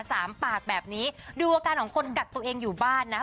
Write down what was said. สามปากแบบนี้ดูอาการของคนกักตัวเองอยู่บ้านนะ